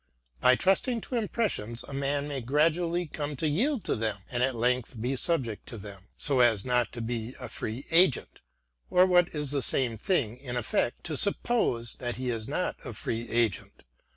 By trusting to impressions a man may gradually come to yield to them, and at length be subject to them, so as not to be a free agent, or what is the same thing in effectjto suppose that he is not a free agent.